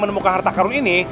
menemukan harta karun ini